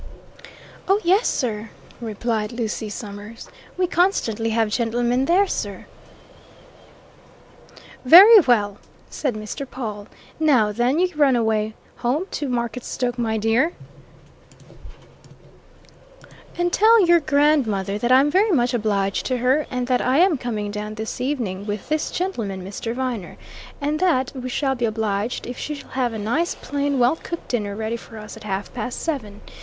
"Oh, yes sir!" replied Lucy Summers. "We constantly have gentlemen there, sir." "Very well," said Mr. Pawle. "Now, then, you run away home to Marketstoke, my dear, and tell your grandmother that I'm very much obliged to her, and that I am coming down this evening, with this gentleman, Mr. Viner, and that we shall be obliged if she'll have a nice, plain, well cooked dinner ready for us at half past seven.